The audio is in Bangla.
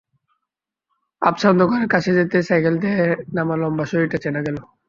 আবছা অন্ধকারে কাছে যেতেই সাইকেল থেকে নামা লম্বা শরীরটা চেনা গেল।